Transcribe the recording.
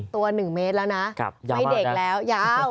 ตัวหนึ่งเมตรแล้วนะกับยาวมากไม่เด็กแล้วยาว